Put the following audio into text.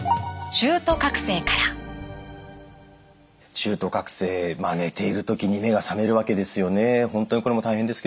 中途覚醒まあ寝ている時に目が覚めるわけですよね。